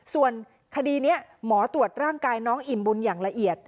ส่วนคดีนี้หมอตรวจร่างกายน้องอิ่มบุญอย่างละเอียด